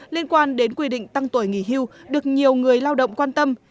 liên quan đến quy định tăng tuổi nghỉ hưu được nhiều người lao động quan tâm